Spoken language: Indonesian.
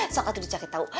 sok atuh dicari tau